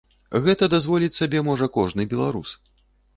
Гэта дазволіць сабе можа кожны беларус.